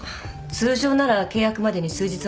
通常なら契約までに数日はかかる。